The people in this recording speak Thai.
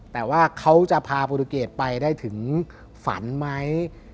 แต่ว่าเขาจะพาโปรตูเกตไปได้ถึงฝันไหม